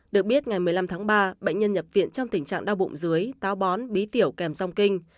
được biết ngày một mươi năm tháng ba bệnh nhân nhập viện trong tình trạng đau bụng dưới táo bón bí tiểu kèm song kinh